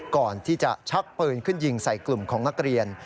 ก่อนที่จะชักปืนขึ้นยิงใส่กลุ่มของนักเรียน